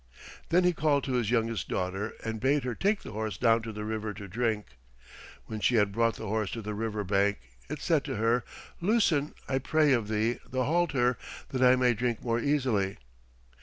Then he called to his youngest daughter and bade her take the horse down to the river to drink. When she had brought the horse to the river bank it said to her. "Loosen, I pray of thee, the halter, that I may drink more easily."